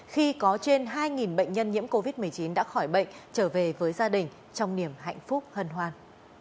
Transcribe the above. khi có trên hai bệnh nhân nhiễm covid một mươi chín đã khỏi bệnh trở về với gia đình trong niềm hạnh phúc hân hoan